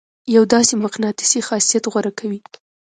يو داسې مقناطيسي خاصيت غوره کوي.